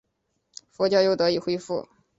佛教又得以恢复。